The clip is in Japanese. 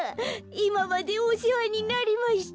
いままでおせわになりました。